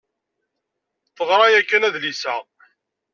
Teɣra yakan adlis-a.